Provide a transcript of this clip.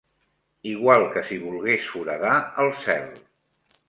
Igual que si volgués foradar el cel